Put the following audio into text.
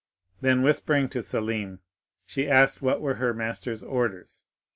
Then, whispering to Selim, she asked what were her master's orders.